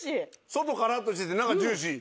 外からっとしてて中ジューシー。